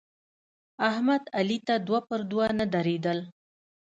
احمد علي ته دوه پر دوه نه درېدل.